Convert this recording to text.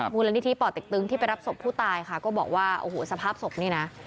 มูลนิธิป่อเต็กตึงที่ไปรับศพผู้ตายค่ะก็บอกว่าโอ้โหสภาพศพนี่นะ